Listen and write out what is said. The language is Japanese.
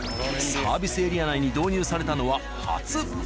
サービスエリア内に導入されたのは初。